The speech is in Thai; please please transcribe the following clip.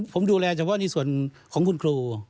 ผมดูแลเฉพาะในส่วนของคุณครู